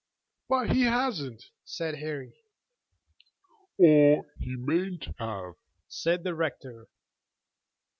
"But he hasn't," said Harry. "Or he mayn't have," said the rector.